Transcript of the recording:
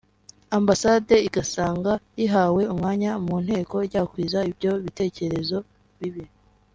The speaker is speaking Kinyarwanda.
Ambasade igasanga rihawe umwanya mu Nteko ryakwiza ibyo bitekerezo bibi